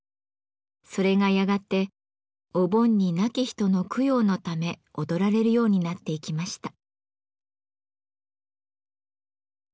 それがやがてお盆に亡き人の供養のため踊られるようになっていきました。